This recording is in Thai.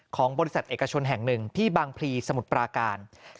ของบริษัทเอกชนแห่งหนึ่งที่บางพลีสมุทรปราการ